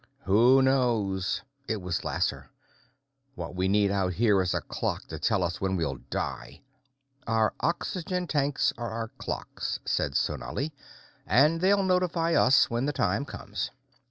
"Who knows?" It was Lasser. "What we need out here is a clock to tell us when we'll die." "Our oxygen tanks are our clocks," said Sonali. "And they'll notify us when the time comes."